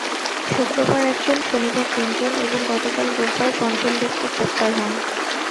শুক্রবার একজন, শনিবার তিনজন এবং গতকাল রোববার পঞ্চম ব্যক্তি গ্রেপ্তার হন।